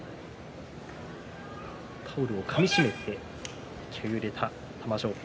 タオルをかみしめて気合いを入れた玉正鳳。